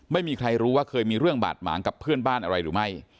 ไม่มีใครรู้ว่าเคยมีเรื่องบาดหมางกับเพื่อนบ้านอะไรหรือไม่